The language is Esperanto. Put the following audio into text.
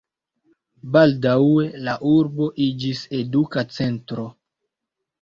Baldaŭe la urbo iĝis eduka centro.